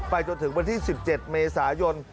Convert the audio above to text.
จนถึงวันที่๑๗เมษายน